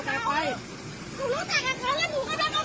ถ้าเกลียวรอกไม่รู้